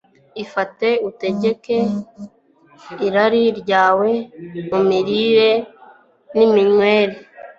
Ifate utegeke irari ryawe mu mirire niminywere